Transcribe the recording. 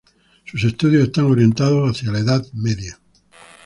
Sus estudios están orientados hacia la Edad Media.